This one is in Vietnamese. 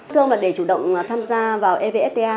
thưa ông để chủ động tham gia vào evfta